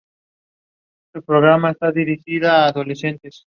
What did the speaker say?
El fruto es propenso al ataque de insectos.